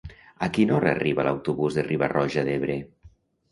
A quina hora arriba l'autobús de Riba-roja d'Ebre?